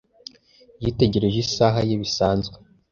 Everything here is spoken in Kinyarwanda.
Yitegereje isaha ye bisanzwe.